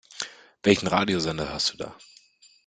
Welchen Radiosender hörst du da?